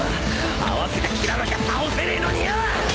あわせて斬らなきゃ倒せねえのによ！